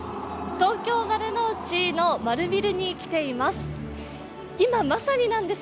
東京・丸の内の丸ビルに来ています。